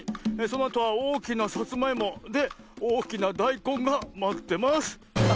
そのあとはおおきなさつまいも。でおおきなだいこんがまってます」。